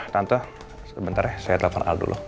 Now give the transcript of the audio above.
tante sebentar ya saya telepon al dulu